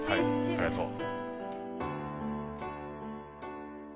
ありがとう。